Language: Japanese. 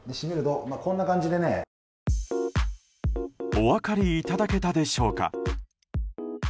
お分かりいただけたでしょうか。